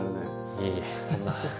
いえいえそんな。